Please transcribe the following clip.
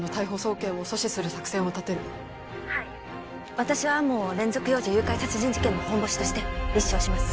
私は天羽を連続幼女誘拐殺人事件のホンボシとして立証します。